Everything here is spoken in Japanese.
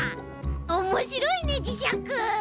おもしろいねじしゃく！